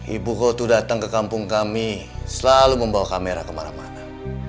ibu kau tuh datang ke kampung kami selalu membawa kamera kemana mana